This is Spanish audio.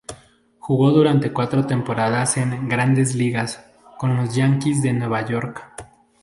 Jugó durante cuatro temporadas en "Grandes Ligas" con los Yanquis de Nueva York.